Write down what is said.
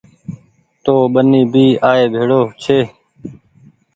تو ٻني بي آئي ڀيڙو ڇي